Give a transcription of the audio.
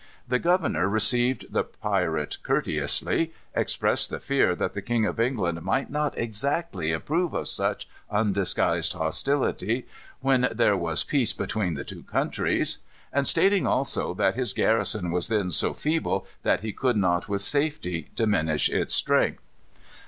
The governor received the pirate courteously, expressed the fear that the King of England might not exactly approve of such undisguised hostility, when there was peace between the two countries, and stating also that his garrison was then so feeble that he could not with safety diminish its strength.